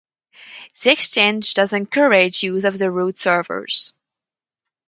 The exchange does encourage use of the route-servers.